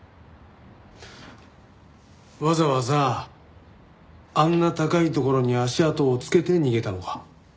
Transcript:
わざわざあんな高い所に足跡をつけて逃げたのか？